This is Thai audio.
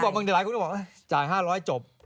บางทีหลายคนจะบอกจ่าย๕๐๐นิดนะโจป